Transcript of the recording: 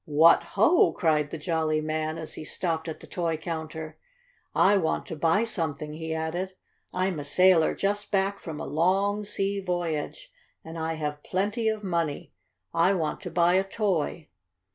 "What ho!" cried the jolly man, as he stopped at the toy counter. "I want to buy something!" he added. "I'm a sailor, just back from a long sea voyage, and I have plenty of money! I want to buy a toy!"